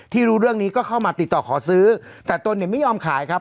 รู้เรื่องนี้ก็เข้ามาติดต่อขอซื้อแต่ตนเนี่ยไม่ยอมขายครับ